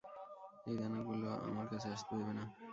ওই দানবগুলোকে আমার কাছে আসতে দেবে না!